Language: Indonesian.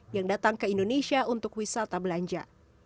yang datang ke indonesia untuk wisata belanja